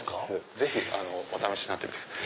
ぜひお試しになってみてください。